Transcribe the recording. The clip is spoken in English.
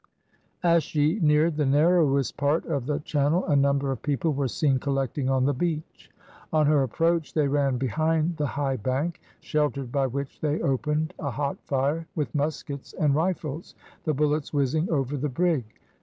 As she neared the narrowest part of the channel a number of people were seen collecting on the beach. On her approach they ran behind the high bank, sheltered by which they opened a hot fire with muskets and rifles, the bullets whizzing over the brig.